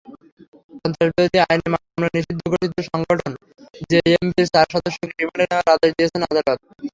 সন্ত্রাসবিরোধী আইনের মামলায় নিষিদ্ধঘোষিত সংগঠন জেএমবির চার সদস্যকে রিমান্ডে নেওয়ার আদেশ দিয়েছেন আদালত।